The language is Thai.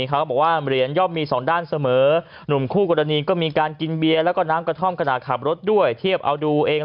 หัวเบียนด้วยอะไรด้วยเอ่อ